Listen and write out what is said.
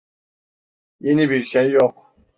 Yeni bir şey yok.